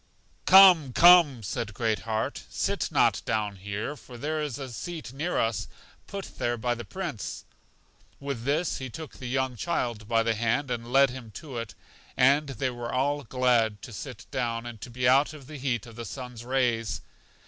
Come, Come! said Great heart, sit not down here; for there is a seat near us put there by the Prince. With this he took the young child by the hand, and led him to it; and they were all glad to sit down, and to be out of the heat of the sun's rays.